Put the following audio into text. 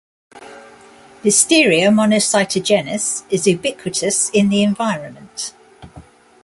"Listeria monocytogenes" is ubiquitous in the environment.